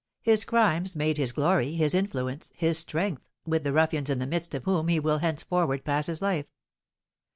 His crimes made his glory, his influence, his strength, with the ruffians in the midst of whom he will henceforward pass his life.